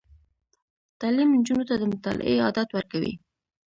تعلیم نجونو ته د مطالعې عادت ورکوي.